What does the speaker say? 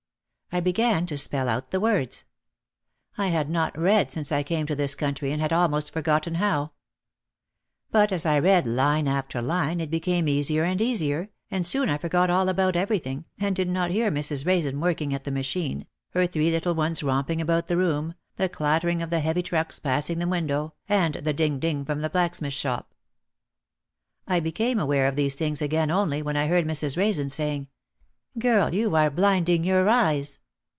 I began to spell out the words. I had not read since I came to this country and had almost forgotten how. But as I read line after line it became easier and easier and soon I forgot all about everything and did not hear Mrs. Raisen working at the machine, her three little ones romping about the room, the clatter ing of the heavy trucks passing the window and the ding, ding from the blacksmith shop. I became aware of these things again only when I heard Mrs. Raisen saying, "Girl, you are blinding your eyes."